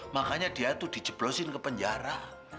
makanya dia tuh dijeblosin ke penjara